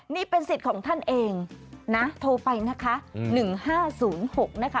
นี่เป็นสิทธิ์ของท่านเองนะโทรไปนะคะ๑๕๐๖นะคะ